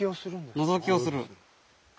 のぞきをする。